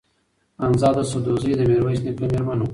خانزاده سدوزۍ د میرویس نیکه مېرمن وه.